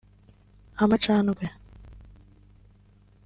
amacandwe